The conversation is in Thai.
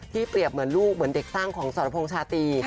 เปรียบเหมือนลูกเหมือนเด็กสร้างของสรพงษ์ชาตรี